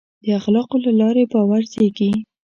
د اخلاقو له لارې باور زېږي.